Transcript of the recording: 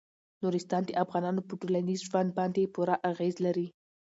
نورستان د افغانانو په ټولنیز ژوند باندې پوره اغېز لري.